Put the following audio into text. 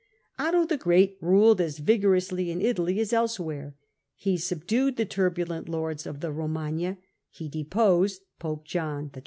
Otto the Great ruled as vigorously in Italy as elsewhere. He subdued the turbulent lords of the Romagna, he deposed pope John XII.